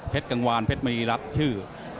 เพชรกังวาลเพชรมณีรัฐชื่อ